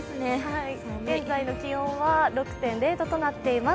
現在の気温は６．０度となっています